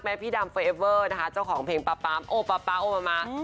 แม้พี่ดำเฟอร์เอเวอร์นะคะเจ้าของเพลงป๊าป๊าโอป๊าป๊าโอป๊าป๊า